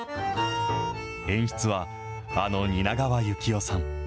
演出は、あの蜷川幸雄さん。